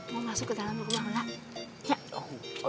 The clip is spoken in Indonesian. mau masuk ke dalam rumah